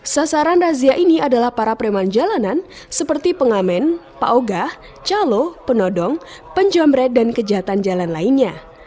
sasaran razia ini adalah para preman jalanan seperti pengamen paugah calo penodong penjamret dan kejahatan jalan lainnya